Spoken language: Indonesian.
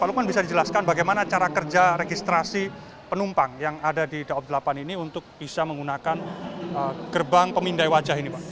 pak lukman bisa dijelaskan bagaimana cara kerja registrasi penumpang yang ada di daob delapan ini untuk bisa menggunakan gerbang pemindai wajah ini pak